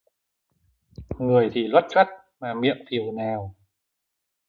Người thì loắt choắt mà miệng thì ồn ào